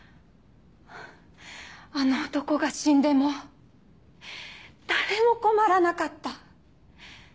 あの男が死んでも誰も困らなかった。